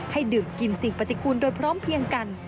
ให้ดื่มกินสิ่งปฏิกูลโดยพร้อมเพียงกัน